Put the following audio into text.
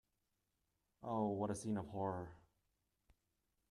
Oh, what a scene of horror!